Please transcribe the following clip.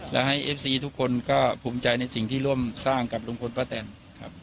และให้เอฟซีทุกคนก็ภูมิใจในสิ่งที่ร่วมสร้างกับลุงพลป้าแตนครับ